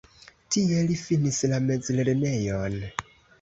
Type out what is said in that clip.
Tie li finis la mezlernejon.